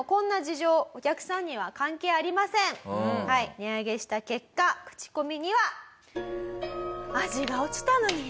値上げした結果口コミには。